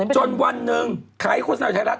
จนวันนึงขายโฆษณาอยู่ที่ไหนรู้มั้ย